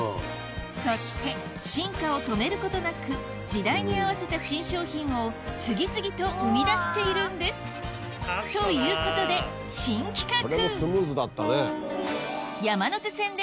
そして進化を止めることなく時代に合わせた新商品を次々と生み出しているんですということで新企画！